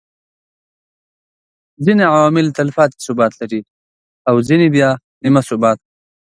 ځيني عوامل تلپاتي ثبات لري او ځيني بيا نيمه ثبات لري